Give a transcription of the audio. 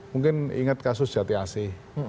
mungkin ingat kasus jatiase